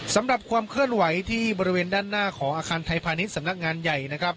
ความเคลื่อนไหวที่บริเวณด้านหน้าของอาคารไทยพาณิชย์สำนักงานใหญ่นะครับ